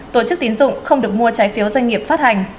tổ chức tín dụng không được mua trái phiếu doanh nghiệp phát hành